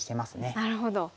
なるほど。